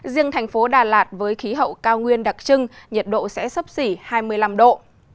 riêng thành phố đà lạt với khí hậu cao nguyên đặc trưng nhiệt độ sẽ sấp xỉ hai mươi năm độ